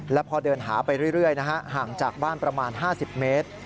แล้วพอเดินหาไปเรื่อยห่างจากบ้านประมาณ๕๐เมตร